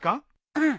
うん。